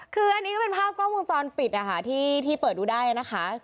คือนี้ก็เป็นภาพกล้องวงจรปิดที่เปิดดูได้ค่ะ